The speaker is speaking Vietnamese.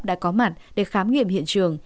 đã có mặt để khám nghiệm hiện trường